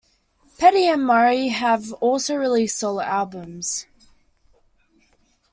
Petti and Murray have also released solo albums.